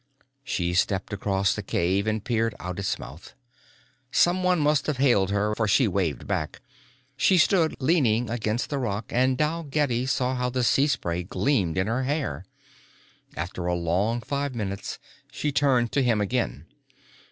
She stepped across the cave and peered out its mouth. Someone must have hailed her, for she waved back. She stood leaning against the rock and Dalgetty saw how the sea spray gleamed in her hair. After a long five minutes she turned to him again.